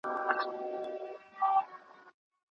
له هر شاګرد نه باید د هغه د شعور پوښتنه وسي.